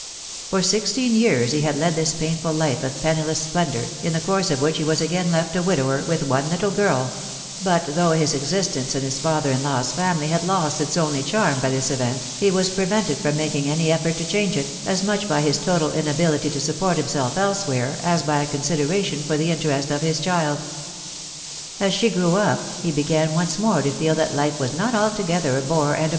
For sixteen years he had led this painful life of pennOesi splendour, in the course of which he was again left a widower with one little girl ; but though his existence in his father in law's family had lost its only charm by this event, he was pre vented from making any effort to change it, as much by his total inability to support himself elsewhere, as by consideration for the interest of his c\\M. X* %ta %w« \^% he began once more to feel that life waa not s&oggtaet *\*si* isA «.